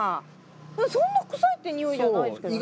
そんな臭いって臭いじゃないですけどね。